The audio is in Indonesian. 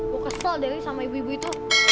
gue kesel deh li sama ibu ibu itu